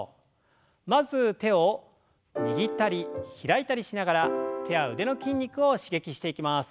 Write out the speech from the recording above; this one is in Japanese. まず手を握ったり開いたりしながら手や腕の筋肉を刺激していきます。